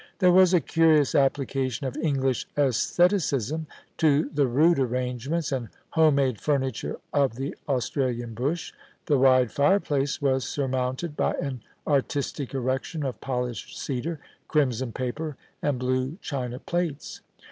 There was a curious application of English aestheticism to the rude arrangements and home made furniture of the Australian bush. The wide fireplace was surmounted by an artistic erection of polished cedar, crimson paper, and blue china plates.